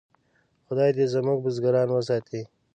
خدای دې زموږ بزګران وساتي.